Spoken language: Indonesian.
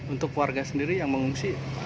untuk warga sendiri yang mengungsi